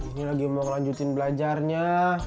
ini lagi mau ngelanjutin belajarnya